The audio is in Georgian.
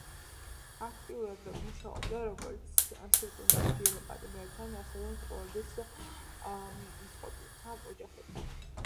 აქტიურად მუშაობდა როგორც სიკვდილმისჯილ პატიმრებთან, ასევე მკვლელობის მსხვერპლთა ოჯახებთან.